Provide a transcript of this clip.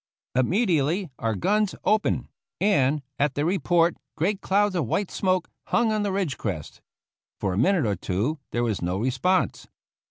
Immediately our guns opened, and at the report great clouds of white smoke hung on the ridge crest. For a minute or two there was no response.